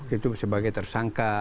itu sebagai tersangka